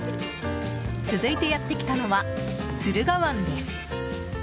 続いてやってきたのは駿河湾です。